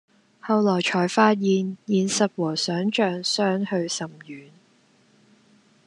後來才發現現實和想像相去甚遠